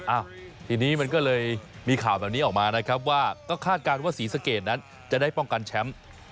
อ้าวทีนี้มันก็เลยมีข่าวแบบนี้ออกมานะครับว่าก็คาดการณ์ว่าศรีสะเกดนั้นจะได้ป้องกันแชมป์